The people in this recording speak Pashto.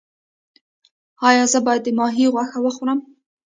ایا زه باید د ماهي غوښه وخورم؟